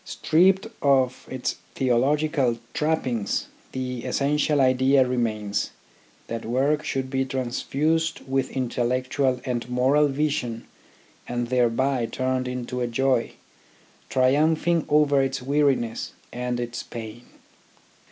Stripped of its theological trappings, the essen tial idea remains, that work should be transfused with intellectual and moral vision and thereby turned into a joy, triumphing over its weariness and its pain.